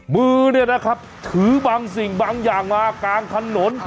มือเนี่ยนะครับถือบางสิ่งบางอย่างมากลางถนน